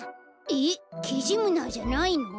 えっキジムナーじゃないの？